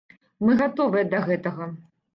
Мы гатовыя да гэтага.